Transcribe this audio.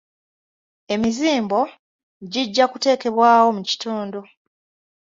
Emizimbo gijja kuteekebwawo mu kitundu.